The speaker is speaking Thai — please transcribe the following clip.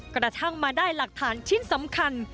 กระทั่งมาได้หลักฐานชิ้นสำคัญ